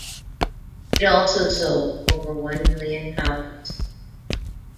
It also sold over one million copies.